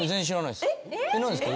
何ですか？